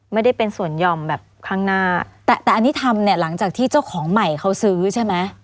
ไม่ได้เป็นส่วนยอมแบบข้างหน้าแต่แต่อันนี้ทำเนี่ยหลังจากที่เจ้าของใหม่เขาซื้อใช่ไหม